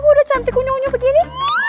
gue udah cantik kunyung kunyung begini